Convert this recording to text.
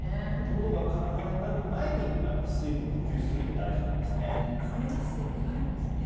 のどがカラカラになる前に水分を補給するって大事なんですね。